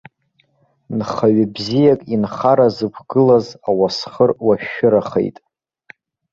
Нхаҩы бзиак инхара зықәгылаз ауасхыр уашәшәырахеит.